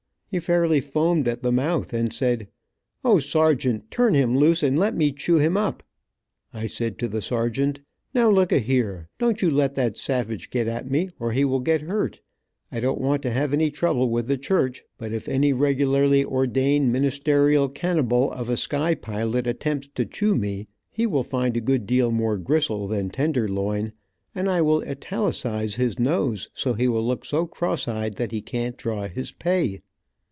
He fairly foamed at the mouth, and said, "O, sergeant, turn him loose, and let me chew him up." I said to the sergeant: "Now, look a here, don't you let that savage get at me, or he will get hurt. I don't want to have any trouble with the church, but if any regularly ordained ministerial cannibal of a sky pilot attempts to chew me, he will find a good deal more gristle than tender loin, and I will italicise his nose so he will look so crossed eyed that he can't draw his pay."